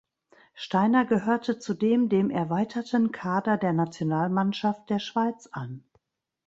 Steiner gehörte zudem dem erweiterten Kader der Nationalmannschaft der Schweiz an.